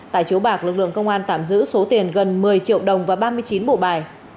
tại chiếu bạc lực lượng công an tạm giữ số tiền gần một mươi triệu đồng và ba mươi chín bộ bài